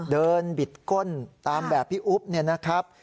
บิดก้นตามแบบพี่อุ๊บเนี่ยนะครับ